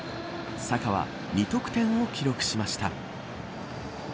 サカは２得点を記録しました。